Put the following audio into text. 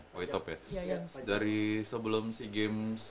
kawetop ya dari sebelum si games